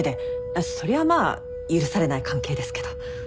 そりゃあまあ許されない関係ですけど。